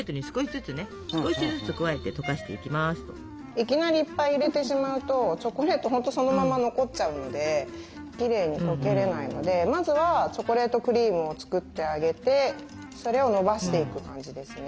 いきなりいっぱい入れてしまうとチョコレート本当そのまま残っちゃうのできれいにとけれないのでまずはチョコレートクリームを作ってあげてそれをのばしていく感じですね。